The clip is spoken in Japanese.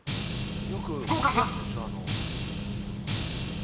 ［福岡さん］